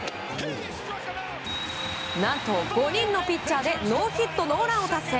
何と５人のピッチャーでノーヒットノーランを達成。